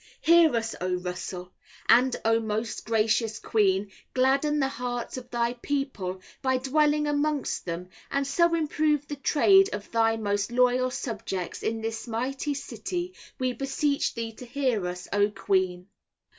Hear us, O Russell. And O, most Gracious Queen, gladden the hearts of thy people by dwelling amongst them, and so improve the trade of thy most loyal subjects in this mighty city. We beseech thee to hear us, O Queen.